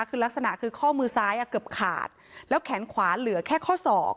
คือลักษณะคือข้อมือซ้ายเกือบขาดแล้วแขนขวาเหลือแค่ข้อศอก